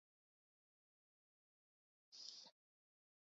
Talde horretako hedabideetan artikuluak maiz idazten ditu.